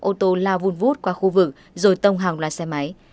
ô tô la vun vút qua khu vực rồi tông hàng loạt xe máy